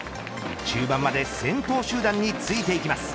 中盤まで先頭集団についていきます。